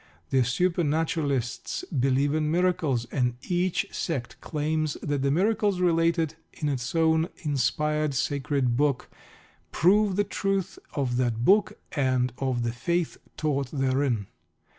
The supernaturalists believe in miracles, and each sect claims that the miracles related in its own inspired sacred book prove the truth of that book and of the faith taught therein.